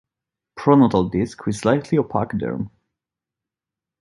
Pronotal disc with slightly opaque derm.